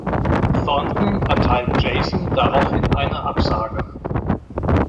Thornton erteilt Jason daraufhin eine Absage.